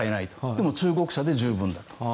でも、中国車で十分だと。